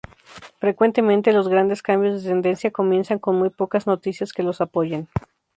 Frecuentemente los grandes cambios de tendencia comienzan con muy pocas noticias que los apoyen.